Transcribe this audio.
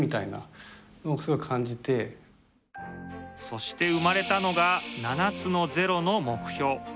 そして生まれたのが７つのゼロの目標。